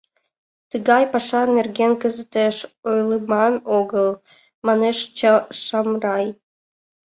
Тыгай паша нерген кызытеш ойлыман огыл, — манеш Шамрай.